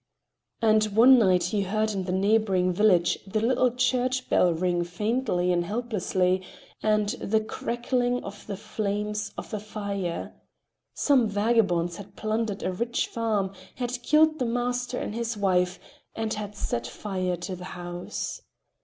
And one night he heard in the neighboring village the little church bell ringing faintly and helplessly, and the crackling of the flames of a fire. Some vagabonds had plundered a rich farm, had killed the master and his wife, and had set fire to the house.